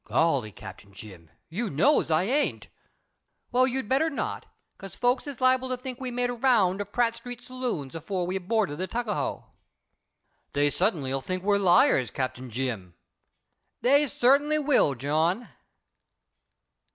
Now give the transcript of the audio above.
"Golly, Cap. Jim, you knows I ain't." "Well, you'd better not, because folks is liable to think we made a round of Pratt street saloons afore we boarded the Tuckahoe." "Dey sutt'nly 'll think we's liars, Cap. Jim." "They certainly will, John."